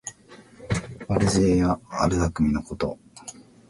悪知恵や悪だくみのこと。